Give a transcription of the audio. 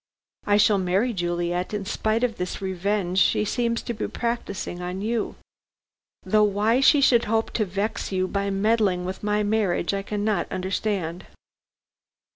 I shall marry Juliet in spite of this revenge she seems to be practising on you. Though why she should hope to vex you by meddling with my marriage, I cannot understand."